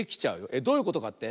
えっどういうことかって？